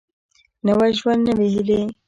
نوی ژوند نوي هېلې